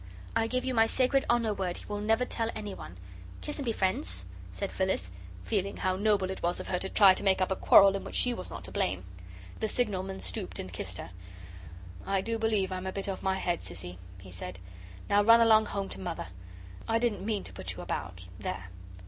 "I give you my sacred honour word we'll never tell anyone. Kiss and be friends," said Phyllis, feeling how noble it was of her to try to make up a quarrel in which she was not to blame. The signalman stooped and kissed her. "I do believe I'm a bit off my head, Sissy," he said. "Now run along home to Mother. I didn't mean to put you about there."